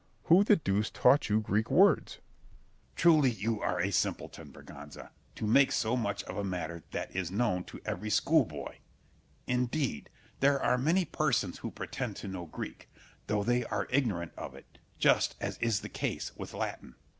Who the deuce taught you Greek words? Scip. Truly you are a simpleton, Berganza, to make so much of a matter that is known to every schoolboy; indeed, there are many persons who pretend to know Greek, though they are ignorant of it, just as is the case with Latin.